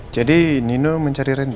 jadi nino mencari randy